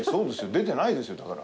出てないですよだから。